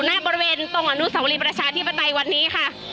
ณบริเวณตรงอนุสาวรีประชาธิปไตยวันนี้ค่ะ